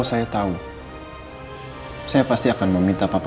draining caranya tidak diimmigrirkan